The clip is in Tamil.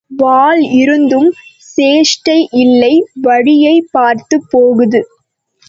வால் இருந்தும் சேஷ்டை இல்லை வழியைப் பார்த்துப் போகுது!